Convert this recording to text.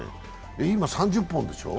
今、３０本でしょう。